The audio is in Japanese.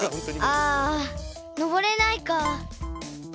あのぼれないか。